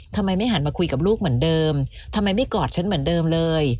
ทำไมไม่หันมาคุยกับลูกเหมือนเดิมทำไมไม่กอดฉันเหมือนเดิมเลย